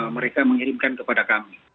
mereka mengirimkan kepada kami